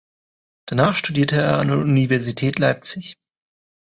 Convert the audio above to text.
Danach studierte er an der Universität Leipzig.